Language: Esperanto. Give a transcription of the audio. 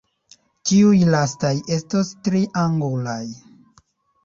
Tiuj lastaj estos triangulaj.